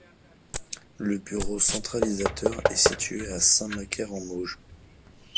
Le bureau centralisateur est situé à Saint-Macaire-en-Mauges.